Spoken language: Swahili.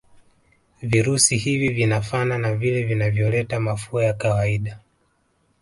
virusi hivi vinafana na vile vinavyoleta mafua ya kawaida